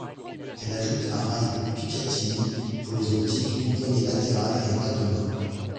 Elle ajoute un rail picatinny pour les optiques, une poignée latérale, et un garde-main.